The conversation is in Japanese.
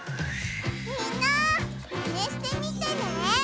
みんなマネしてみてね！